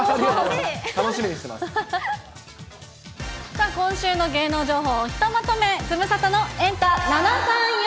さあ、今週の芸能情報をひとまとめ、ズムサタのエンタ７３４。